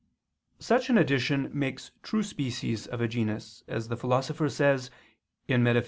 Such an addition makes true species of a genus: as the Philosopher says (Metaph.